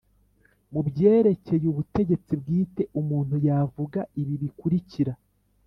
mu byerekeye ubutegetsi bwite, umuntu yavuga ibi bikurikira